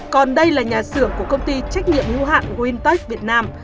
còn đây là nhà sửa của công ty trách nhiệm lưu hạng wintech việt nam